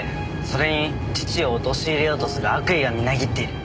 それに父を陥れようとする悪意がみなぎっている。